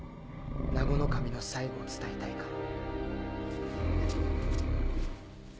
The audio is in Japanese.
ナゴの守の最期を伝えたいから。